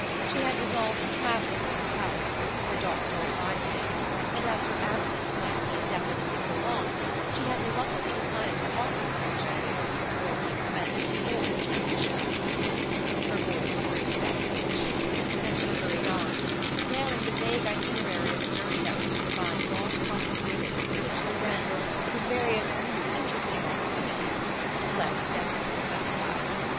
She had resolved to travel for her health; her doctor advised it, and as her absence might be indefinitely prolonged she had reluctantly decided to part with the picture in order to avoid the expense of storage and insurance. Her voice drooped at the admission, and she hurried on, detailing the vague itinerary of a journey that was to combine long promised visits to impatient friends with various "interesting opportunities" less definitely specified.